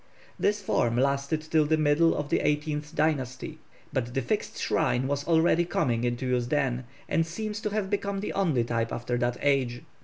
This form lasted till the middle of the eighteenth dynasty; but the fixed shrine was already coming into use then, and seems to have become the only type after that age.